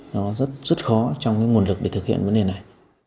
nó rất rất khó trong cái nguồn lực để thực hiện vấn đề này